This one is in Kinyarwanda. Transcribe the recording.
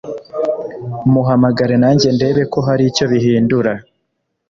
muhamagare najye ndebe ko haricyo bihindura